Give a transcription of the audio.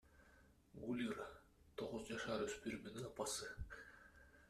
Гулира — тогуз жашар өспүрүмүн апасы.